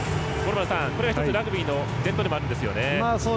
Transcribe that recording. これが１つ、ラグビーの伝統でもあるんですよね。